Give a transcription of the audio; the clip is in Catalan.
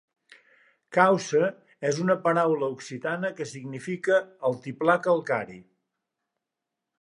"Causse" és una paraula occitana que significa "altiplà calcari".